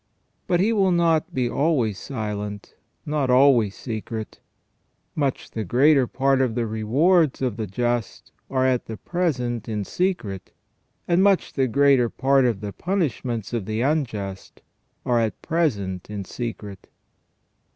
But He will not be always silent, not always secret. Much the greater part of the rewards of the just are at present in secret ; and much the greater part of the punishments of the unjust are at present in secret.